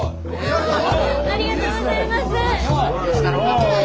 ありがとうございます。